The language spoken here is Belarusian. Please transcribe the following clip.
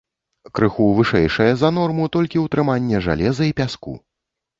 Крыху вышэйшае за норму толькі ўтрыманне жалеза і пяску.